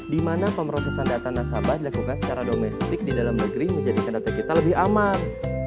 di mana pemrosesan data nasabah dilakukan secara domestik di dalam negeri menjadikan data kita lebih aman